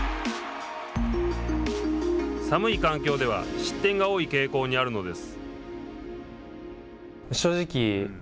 寒い環境では失点が多い傾向にあるのです。